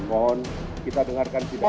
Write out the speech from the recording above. mohon kita dengarkan pidato